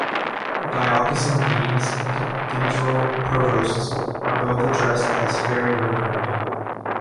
Diocesan deans and cathedral provosts are both addressed as "Very Reverend".